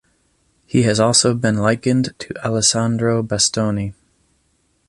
He has also been likened to Alessandro Bastoni.